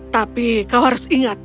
tapi kau harus ingat